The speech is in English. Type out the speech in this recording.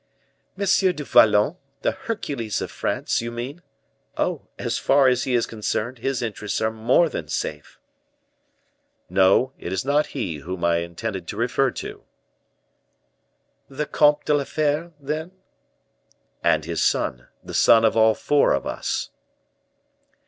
"M. du Vallon, the Hercules of France, you mean; oh! as far as he is concerned, his interests are more than safe." "No; it is not he whom I intended to refer to." "The Comte de la Fere, then?" "And his son, the son of all four of us."